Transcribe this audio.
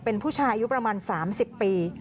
เป็นผู้ชายอายุประมาณ๓๐ปี